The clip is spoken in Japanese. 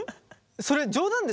それ冗談でしょ？